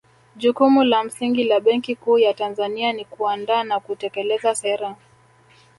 Jukumu la msingi la Benki Kuu ya Tanzania ni kuandaa na kutekeleza sera